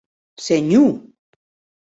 Senhor!